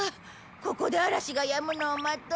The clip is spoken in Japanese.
ここで嵐がやむのを待とう。